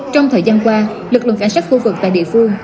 trong thời gian qua lực lượng cảnh sát khu vực tại địa phương